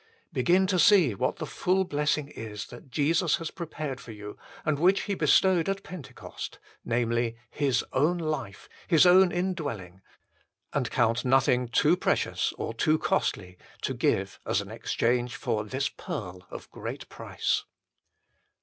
Begin to see what the full blessing is that Jesus has prepared for you and which He bestowed at Pentecost namely, His own life, His own indwelling ; and count nothing too precious or too costly to give as an exchange for this pearl of great price.